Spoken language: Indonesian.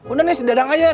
udah nih si dadang aja